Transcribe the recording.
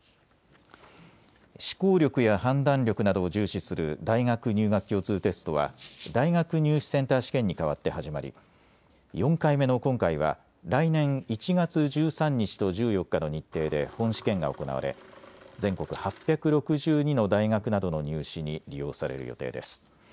思考力や判断力などを重視する大学入学共通テストは大学入試センター試験に代わって始まり４回目の今回は来年１月１３日と１４日の日程で本試験が行われ、全国８６２の大学などの入試に利用される予定です。